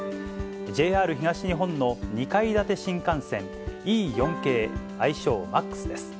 ＪＲ東日本の２階建て新幹線Ｅ４系、愛称、Ｍａｘです。